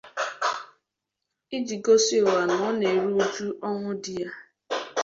iji gosi ụwa na ọ na-eru uju ọnwụ di ya